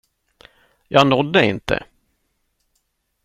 Jag nådde inte.